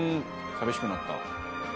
寂しくなった？